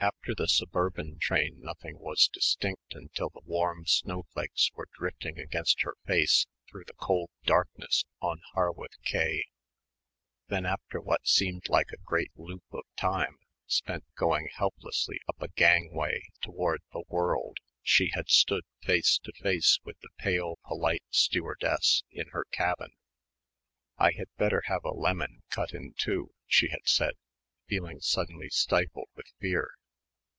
After the suburban train nothing was distinct until the warm snowflakes were drifting against her face through the cold darkness on Harwich quay. Then, after what seemed like a great loop of time spent going helplessly up a gangway towards "the world" she had stood, face to face with the pale polite stewardess in her cabin. "I had better have a lemon, cut in two," she had said, feeling suddenly stifled with fear.